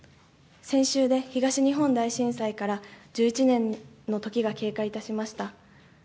先週で東日本大震災から１１年の時が経過いたしました。